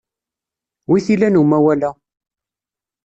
Wi t-ilan umawal-a?